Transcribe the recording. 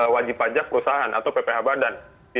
wajib pajak perusahaan atau pph badan